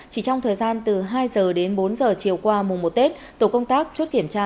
chỉ trong thời gian từ hai giờ đến bốn giờ chiều qua mùa một tết tổ công tác chốt kiểm tra